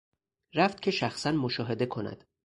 رفت که شخصا مشاهده کند.